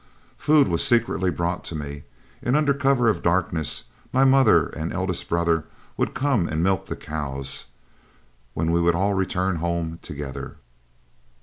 Food was secretly brought to me, and under cover of darkness, my mother and eldest brother would come and milk the cows, when we would all return home together.